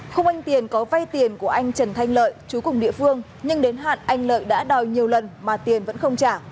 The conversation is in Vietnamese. không anh tiền có vay tiền của anh trần thanh lợi chú cùng địa phương nhưng đến hạn anh lợi đã đòi nhiều lần mà tiền vẫn không trả